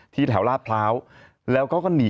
ที่แถวราดพร้าวแล้วก็ก็หนี